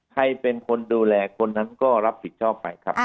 ใครเป็นคนดูแลคนนั้นก็รับผิดชอบไปครับ